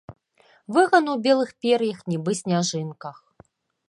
Выган у белых пер'ях, нібы сняжынках.